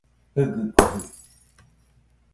Jɨgɨkojɨ